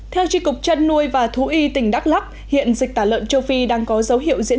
theo tri cục chăn nuôi và thú y tỉnh đắk lắk hiện dịch tả lợn châu phi đang có dấu hiệu diễn